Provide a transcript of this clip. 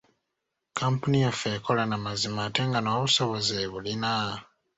Kkampuni yaffe ekola na mazima ate nga n’obusobozi ebulina.